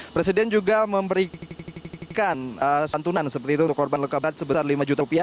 presiden juga memberikan santunan seperti itu untuk korban luka berat sebesar lima juta